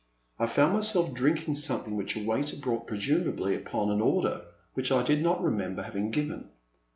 I found myself drinking something which a waiter brought presumably upon an order which I did not remember having given.